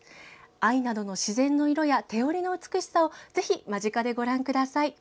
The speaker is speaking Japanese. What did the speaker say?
藍などの自然の色や手織りの美しさをぜひ間近で、ご覧ください。